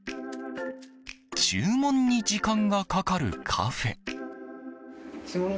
注文に時間がかかるカフェ。